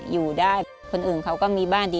เลือกข้อมูลหน้าของแม่บ้าง